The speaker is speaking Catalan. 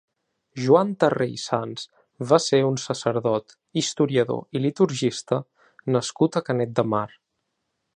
Joan Tarré i Sans va ser un sacerdot, historiador i liturgista nascut a Canet de Mar.